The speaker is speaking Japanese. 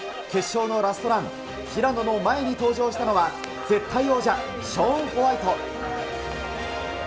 決勝のラストラン、平野の前に登場したのは、絶対王者、ショーン・ホワイト。